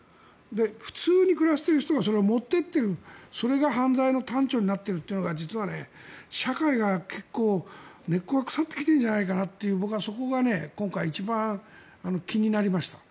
普通に暮らしている人がそれを持っていっているそれが犯罪の端緒になっているというのが社会が結構根っこが腐ってきているのではと僕はそこが一番気になりました。